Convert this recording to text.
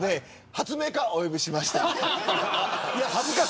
発明家お呼びしました。